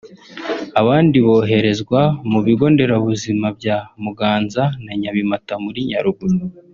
abandi boherezwa ku bigo nderabuzima bya Muganza na Nyabimata muri Nyaruguru